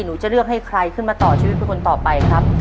หนูจะเลือกให้ใครขึ้นมาต่อชีวิตเป็นคนต่อไปครับ